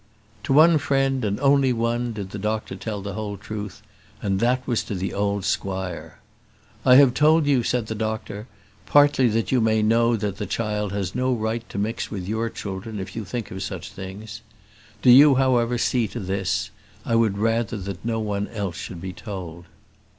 To one friend, and only one, did the doctor tell the whole truth, and that was to the old squire. "I have told you," said the doctor, "partly that you may know that the child has no right to mix with your children if you think much of such things. Do you, however, see to this. I would rather that no one else should be told."